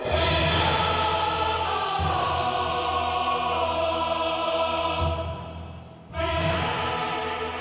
dinda amat kasih